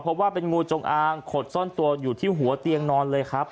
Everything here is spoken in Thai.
เพราะว่าเป็นงูจงอางขดซ่อนตัวอยู่ที่หัวเตียงนอนเลยครับ